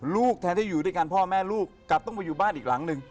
ลูกแทนที่อยู่ด้วยกันพ่อแม่ลูกกลับต้องไปอยู่บ้านอีกหลังหนึ่ง